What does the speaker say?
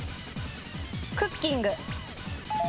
クッキング。